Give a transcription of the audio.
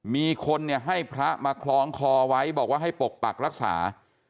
มีคนเนี่ยให้พระมาคล้องคอไว้บอกว่าให้ปกปักรักษา